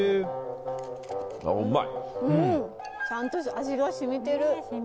ちゃんと味が染みてる。